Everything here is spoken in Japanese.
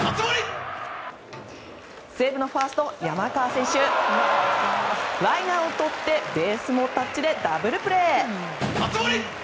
西武のファースト、山川選手ライナーをとってベースもタッチでダブルプレー。